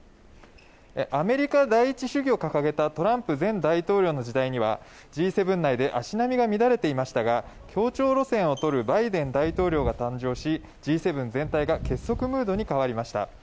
アメリカ第一主義を掲げたトランプ前大統領の時代にはＧ７内で足並みが乱れていましたが協調路線をとるバイデン大統領が誕生しＧ７全体が結束ムードに変わりました。